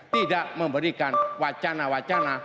tidak memberikan wacana wacana